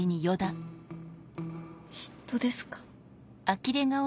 嫉妬ですか？